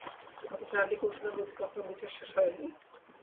অথচ, অ্যান্ডি কুলসনের বিরুদ্ধে তখনো বিচার শেষ হয়নি।